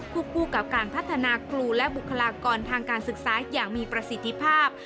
คู่กับการพัฒนาครูและบุคลากรทางการศึกษาอย่างมีประสิทธิภาพ